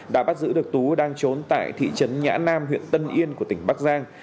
đã bắt giữ được tú đang trốn tại thị trấn nhã nam huyện tân yên của tỉnh bắc giang